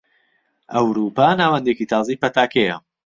ئەوروپا ناوەندێکی تازەی پەتاکەیە.